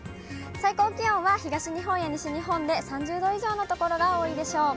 最高気温は東日本や西日本で３０度以上の所が多いでしょう。